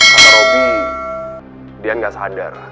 sama robby dian gak sadar